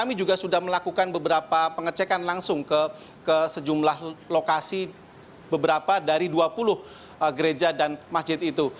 kami juga sudah melakukan beberapa pengecekan langsung ke sejumlah lokasi beberapa dari dua puluh gereja dan masjid itu